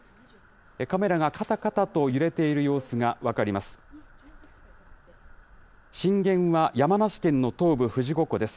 カメラがかたかたと揺れている様子が分かります。